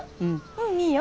うんいいよ。